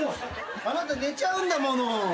あなた寝ちゃうんだもの。